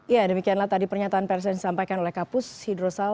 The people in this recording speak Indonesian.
ya demikianlah tadi pernyataan persen disampaikan oleh kapus sidrosal